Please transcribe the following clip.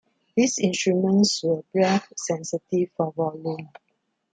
These instruments were breath-sensitive for volume.